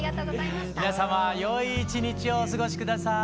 皆様よい一日をお過ごし下さい。